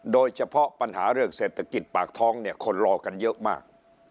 โดยเฉพาะปัญหาเรื่องเศรษฐกิจปากท้องเนี่ยคนรอกันเยอะมาก